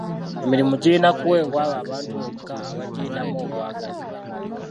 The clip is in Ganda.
Emirimu girina kuweebwa abo abantu bokka abagiyinamu obwagazi.